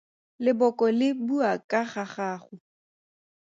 Leboko le bua ka ga gago.